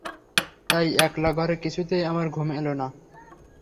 তাই একলা-ঘরে কিছুতেই আমার ঘুম এল না।